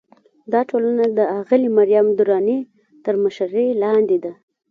دا ټولنه د اغلې مریم درانۍ تر مشرۍ لاندې ده.